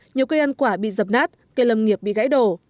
nhiều cây ăn quả bị dập nát cây lâm nghiệp bị gãy đổ